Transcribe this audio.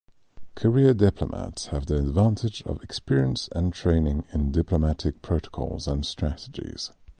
Career diplomats have the advantage of experience and training in diplomatic protocols and strategies.